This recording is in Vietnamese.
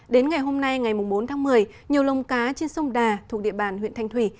đến ngày hôm nay ngày bốn tháng một mươi nhiều lồng cá trên sông đà thuộc địa bàn huyện thanh thủy